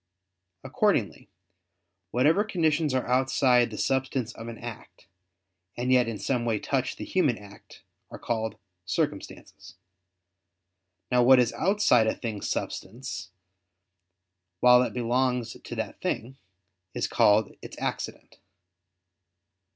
Accordingly, whatever conditions are outside the substance of an act, and yet in some way touch the human act, are called circumstances. Now what is outside a thing's substance, while it belongs to that thing, is called its accident.